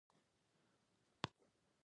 وړې خړې سترګې یې درلودې.